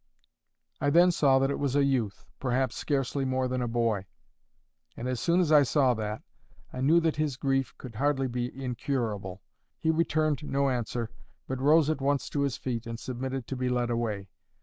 I then saw that it was a youth—perhaps scarcely more than a boy. And as soon as I saw that, I knew that his grief could hardly be incurable. He returned no answer, but rose at once to his feet, and submitted to be led away.